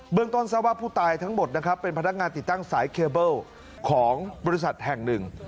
ต้นทราบว่าผู้ตายทั้งหมดนะครับเป็นพนักงานติดตั้งสายเคเบิ้ลของบริษัทแห่งหนึ่ง